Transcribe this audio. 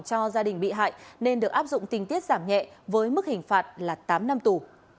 cho gia đình bị hại nên được áp dụng tình tiết giảm nhẹ với mức hình phạt là tám năm tù